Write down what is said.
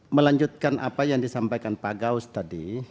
melanjutkan apa yang disampaikan pak gaus tadi